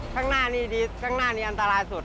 ข้างหน้านี้อันตรายสุด